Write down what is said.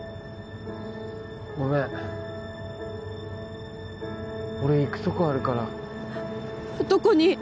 ごめん俺行くとこあるからどこに？